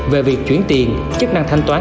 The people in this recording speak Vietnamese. về việc chuyển tiền chức năng thanh toán